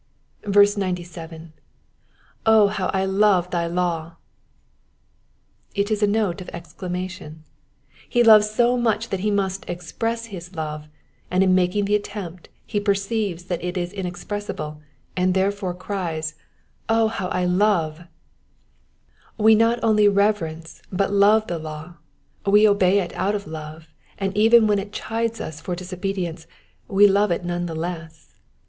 97. 0 how love I thy law P"* It is a note of exclamation. He loves so much that he must express his love, and in making the attempt he perceives that it is inexpressible — and therefore cries, O how I love T* We not only reverence but love the law, we obey it out of love, and even when it chides \i8 for disobedience we love it none the less.